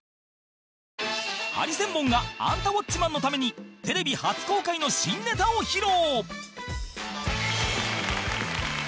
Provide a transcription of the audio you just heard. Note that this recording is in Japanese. ハリセンボンが『アンタウォッチマン！』のためにテレビ初公開の新ネタを披露！